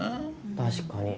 確かに。